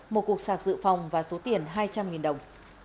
một cục sạc dự phòng và số tiền hai trăm linh đồng